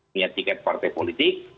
punya tiket partai politik